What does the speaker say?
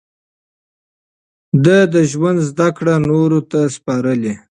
ده د ژوند زده کړې نورو ته سپارلې.